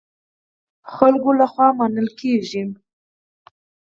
خلکو له خوا منل کېږي.